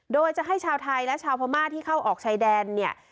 โดยจะให้ชาวไทยและชาวพม่าที่เข้าออกชายแดนเนี่ย